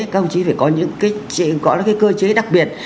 các ông chỉ phải có những cái cơ chế đặc biệt